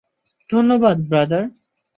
ধন্যবাদ, ব্রাদার।